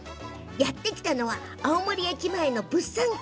やって来たのは青森駅前の物産館。